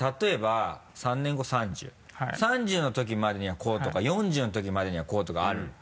３０のときまでにはこうとか４０のときまでにはこうとかある？